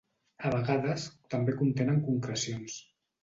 A vegades també contenen concrecions.